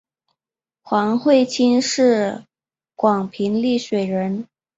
黄晦卿是广平丽水人。